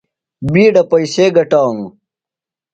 بِیڈہ پئیسے گٹانوۡ۔